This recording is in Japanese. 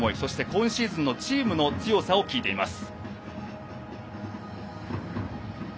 今シーズンのチームの強さを聞いています。